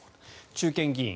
中堅議員